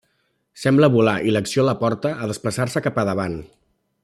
Sembla volar i l'acció la porta a desplaçar-se cap a davant.